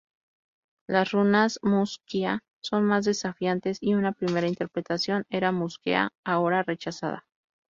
Las runas '"mus:kia'" son más desafiantes y una primera interpretación era "Mus-Gea", ahora rechazada.